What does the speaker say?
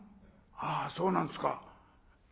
「あそうなんですか。